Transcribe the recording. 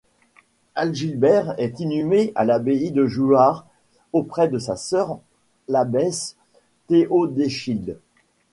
Agilbert est inhumé à l'abbaye de Jouarre, auprès de sa sœur l'abbesse Théodechilde.